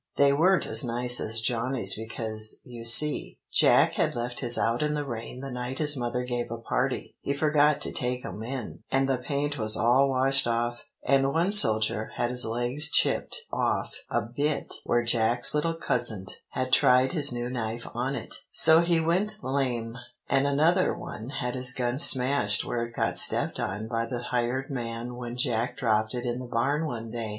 They weren't as nice as Johnny's, because, you see, Jack had left his out in the rain the night his mother gave a party he forgot to take 'em in and the paint was all washed off, and one soldier had his legs chipped off a bit where Jack's little cousin had tried his new knife on it, so he went lame; and another one had his gun smashed where it got stepped on by the hired man when Jack dropped it in the barn one day.